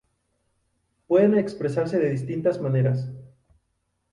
Pueden expresarse de distintas maneras.